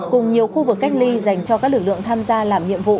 cùng nhiều khu vực cách ly dành cho các lực lượng tham gia làm nhiệm vụ